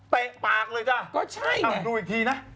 เตะปากเลยจ้ะก็ใช่ดูอีกทีนะ